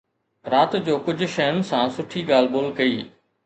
رات جو ڪجهه شين سان سٺي ڳالهه ٻولهه ڪئي